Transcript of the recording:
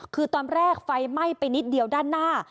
คือตอนแรกไฟไหม้ไปนิดเดียวด้านหน้า